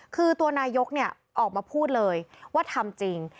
คือตัวนายกออกมาพูดเลยว่าทำจริง